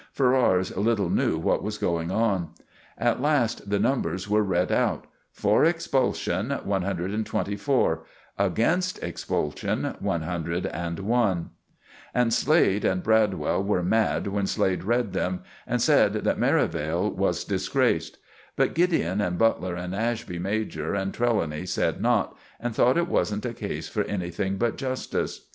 Ferrars little knew what was going on. At last the numbers were read out: For expulsion 124 Against expulsion 101 And Slade and Bradwell were mad when Slade read them, and said that Merivale was disgraced. But Gideon and Butler and Ashby major and Trelawny said not, and thought it wasn't a case for anything but justice.